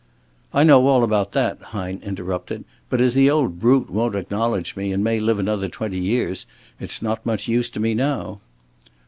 "I know all about that," Hine interrupted. "But as the old brute won't acknowledge me and may live another twenty years, it's not much use to me now."